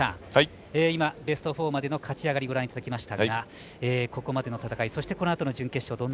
今、ベスト４までの勝ち上がりご覧いただきましたがここまでの戦いそしてこのあとの準決勝の戦い